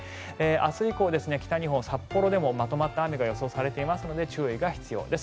明日以降、北日本、札幌でもまとまった雨が予想されているので注意が必要です。